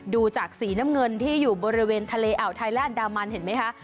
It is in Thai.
ดูจากสีน้ำเงินที่อยู่บริเวณทะเลอ่าวไทยและอันดามันเห็นไหมคะ